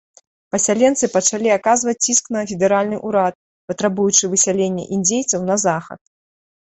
Пасяленцы пачалі аказваць ціск на федэральны ўрад, патрабуючы высялення індзейцаў на захад.